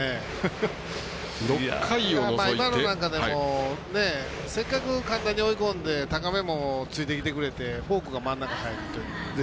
今のなんかでもせっかく簡単に追い込んで高めもついてきてくれてフォークが真ん中入るという。